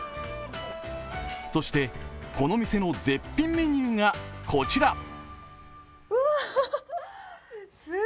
そして、この店の絶品メニューがこちら。